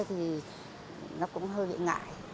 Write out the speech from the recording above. thì nó cũng hơi bị ngại